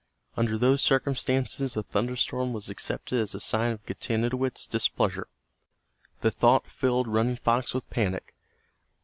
Under those circumstances a thunderstorm was accepted as a sign of Getanittowit's displeasure. The thought filled Running Fox with panic.